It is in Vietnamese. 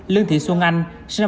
lương thị xuân anh